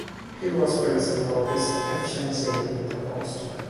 He was praised for his efficiency in the post.